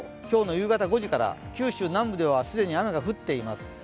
今日の夕方５時から九州南部では既に雨が降っています。